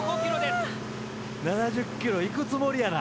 ７０ｋｍいくつもりやな。